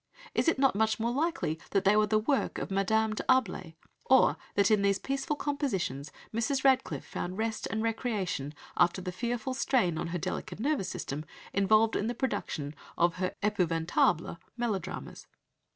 Is it not much more likely that they were the work of Madame d'Arblay, or that in these peaceful compositions Mrs. Radcliffe found rest and recreation after the fearful strain on her delicate nervous system involved in the production of her "èpouvantable" melodramas?